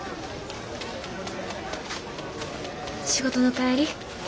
仕事の帰り？